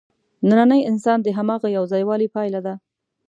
نننی انسان د هماغه یوځایوالي پایله ده.